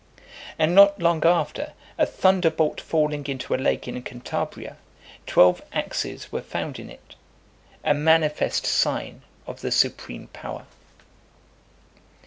And not long after, a thunderbolt falling into a lake in Cantabria , twelve axes were found in it; a manifest sign of the supreme power.